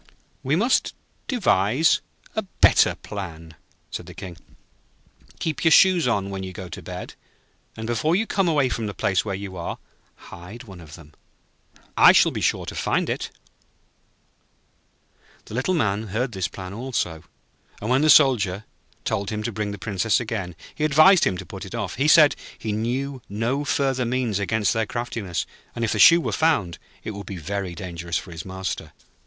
'We must devise a better plan,' said the King. 'Keep your shoes on when you go to bed, and before you come away from the place where you are taken, hide one of them. I shall be sure to find it.' The Little Man heard this plan also; and when the Soldier told him to bring the Princess again, he advised him to put it off. He said he knew no further means against their craftiness; and if the shoe were found, it would be very dangerous for his master.